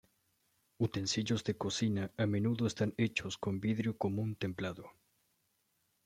Utensilios de cocina a menudo están hechos con vidrio común templado.